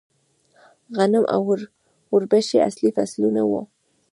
غنم او وربشې اصلي فصلونه وو